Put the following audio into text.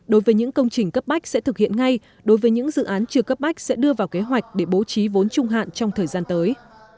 đối với những công trình cấp bách sẽ thực hiện ngay đối với những dự án chưa cấp bách sẽ đưa vào kế hoạch để bố trí vốn trung hạn trong thời gian tới